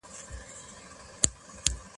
روغتیايي کنټرول ګرانېږي.